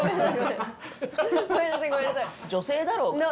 女性だろう。